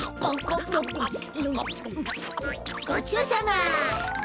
ごちそうさま！